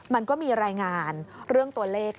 มันก็มีรายงานเรื่องตัวเลข